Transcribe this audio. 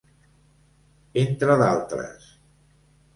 Entre d'altres.